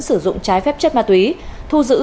sử dụng trái phép chất ma túy thu giữ